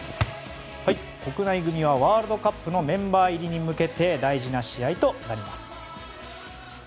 国内組はワールドカップのメンバー入りに向けて大事な試合となります。